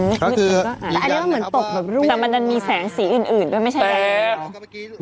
ขี้มืดนี่ก็แล้วคืออันนี้ว่าเหมือนตกแบบแต่มันจะมีแสงสีอื่นอื่นด้วยไม่ใช่ยังไง